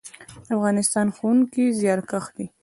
د افغانستان ښوونکي زیارکښ دي